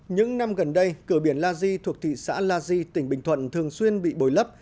những năm gần đây cửa biển la di thuộc thị xã la di tỉnh bình thuận thường xuyên bị bồi lấp